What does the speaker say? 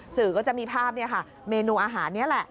สื่อก็จะมีภาพเมนูอาหารนี้แหละ